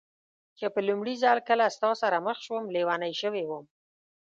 چې په لومړي ځل کله ستا سره مخ شوم، لېونۍ شوې وم.